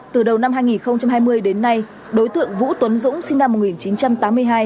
từ đầu năm hai nghìn hai mươi đến nay đối tượng vũ tuấn dũng sinh năm một nghìn chín trăm tám mươi hai